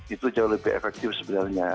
itu jauh lebih efektif sebenarnya